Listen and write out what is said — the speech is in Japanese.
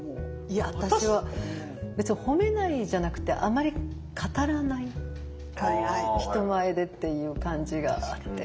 いや私は別に褒めないじゃなくてあまり語らない人前でっていう感じがあって。